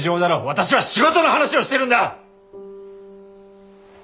私は仕事の話をしているんだ！